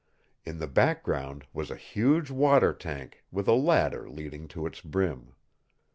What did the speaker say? In the background was a huge water tank, with a ladder leading to its brim.